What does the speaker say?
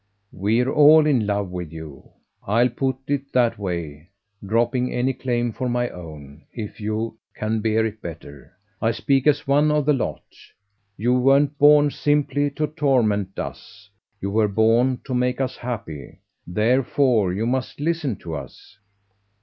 "We're all in love with you. I'll put it that way, dropping any claim of my own, if you can bear it better. I speak as one of the lot. You weren't born simply to torment us you were born to make us happy. Therefore you must listen to us."